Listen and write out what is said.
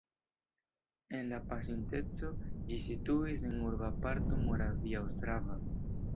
En la pasinteco ĝi situis en urba parto Moravia Ostrava.